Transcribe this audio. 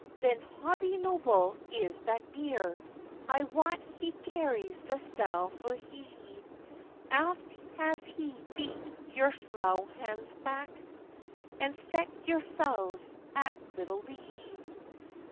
"Then Hobbie Noble is that deer! I wat he carries the style fu' hie; Aft has he beat your slough hounds back, And set yourselves at little lee.